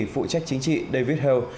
phụ trách chính trị david hale